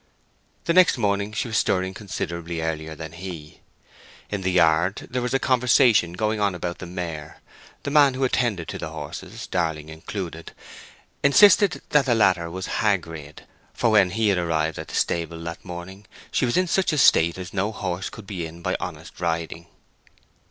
The next morning she was stirring considerably earlier than he. In the yard there was a conversation going on about the mare; the man who attended to the horses, Darling included, insisted that the latter was "hag rid;" for when he had arrived at the stable that morning she was in such a state as no horse could be in by honest riding.